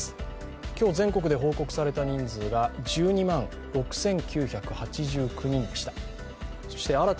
今日全国で報告された人数は１２万６９８９人でした。